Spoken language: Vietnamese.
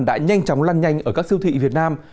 đã nhanh chóng lan nhanh ở các siêu thị việt nam